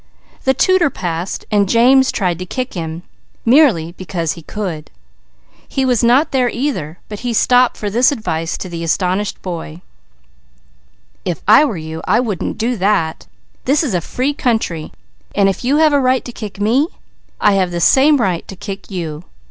The tutor passed and James tried to kick him, merely because he could. He was not there either, but he stopped for this advice to the astonished boy: "If I were you I wouldn't do that. This is a free country, and if you have a right to kick me, I have the same right to kick you.